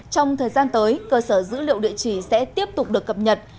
trong thời gian tới cơ sở dữ liệu địa chỉ sẽ tiếp tục được cập nhật